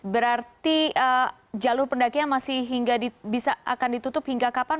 berarti jalur pendakian masih hingga bisa akan ditutup hingga kapan